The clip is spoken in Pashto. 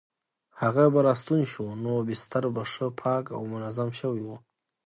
هغه به راستون شو نو بستر به ښه پاک او منظم شوی وو.